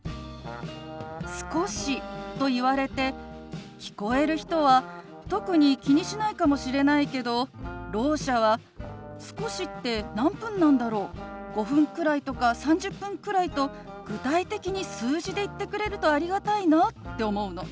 「少し」と言われて聞こえる人は特に気にしないかもしれないけどろう者は「少しって何分なんだろう？『５分くらい』とか『３０分くらい』と具体的に数字で言ってくれるとありがたいな」って思うの。